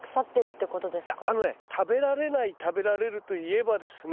いやあのね食べられない食べられると言えばですね